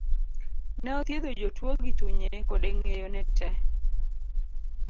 ne othiedho jotuo gi chunye kode ng'eyo ne tee.